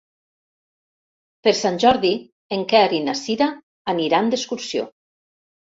Per Sant Jordi en Quer i na Cira aniran d'excursió.